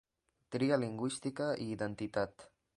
Tria lingüística i identitat.